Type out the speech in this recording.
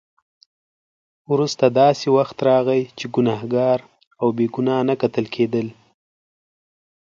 وروسته داسې وخت راغی چې ګناهګار او بې ګناه نه کتل کېدل.